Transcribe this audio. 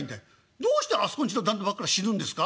「どうしてあそこんちの旦那ばっかり死ぬんですか？」。